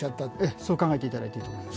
そう考えていただいていいと思います。